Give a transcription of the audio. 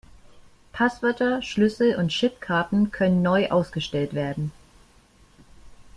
Passwörter, Schlüssel und Chipkarten können neu ausgestellt werden.